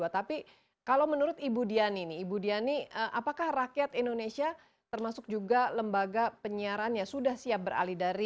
tapi kalau menurut ibu diani apakah rakyat indonesia termasuk juga lembaga penyiaran sudah siap beralih dari